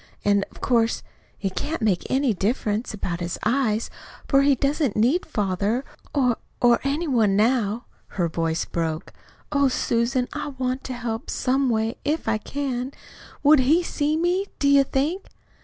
And, of course, it can't make any difference about his eyes, for he doesn't need father, or or any one now." Her voice broke. "Oh, Susan, I want to help, some way, if I can! WOULD he see me, do you think?"